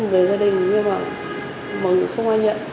về gia đình như vậy mà không ai nhận